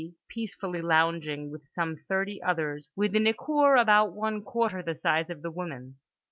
peacefully lounging, with some thirty others, within a cour about one quarter the size of the women's.